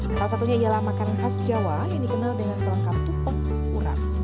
salah satunya ialah makanan khas jawa yang dikenal dengan kelengkap tupuk urap